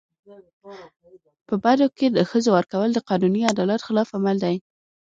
په بدو کي د ښځو ورکول د قانوني عدالت خلاف عمل دی.